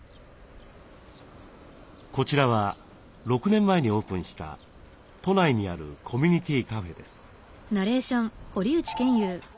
こちらは６年前にオープンした都内にあるコミュニティーカフェです。